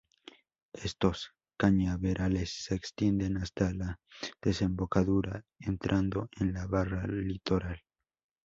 Estos cañaverales se extienden hasta la desembocadura, entrando en la barra litoral.